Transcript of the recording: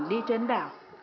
đi trên đảo